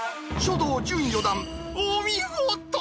書道準４段、お見事！